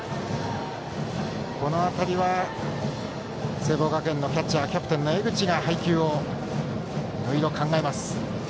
この辺りは聖望学園のキャッチャーキャプテンの江口が配球をいろいろ考えます。